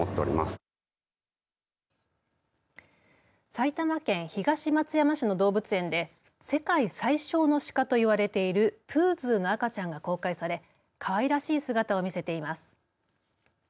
埼玉県東松山市の動物園で世界最小の鹿といわれているプーズーの赤ちゃんが公開されかわいらしい姿を見せています。